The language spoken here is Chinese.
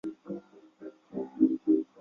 汶干府是泰国的一个府。